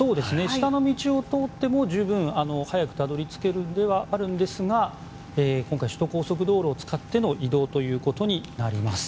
下の道を通っても十分早くたどり着けるんですが今回は首都高速道路を使っての移動となります。